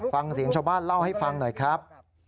ฟังเสียงชาวบ้านเล่าให้ฟังหน่อยครับ